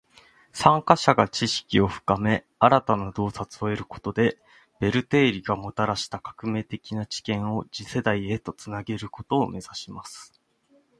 参加者が知識を深め，新たな洞察を得ることで，ベル定理がもたらした革命的な知見を次世代へと繋げることを目指します．